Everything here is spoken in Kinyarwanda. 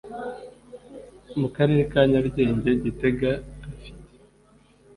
mu karere ka nyarugenge gitega afite